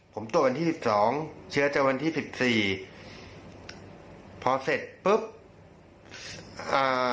ผมตรวจวันที่สิบสองเชื้อจะวันที่สิบสี่พอเสร็จปุ๊บอ่า